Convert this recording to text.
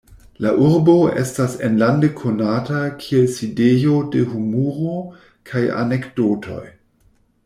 La urbo estas enlande konata kiel sidejo de humuro kaj anekdotoj.